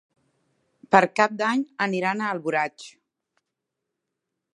Per Cap d'Any aniran a Alboraig.